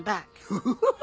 フフフフ！